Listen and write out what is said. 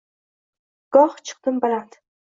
Goh chiqdim baland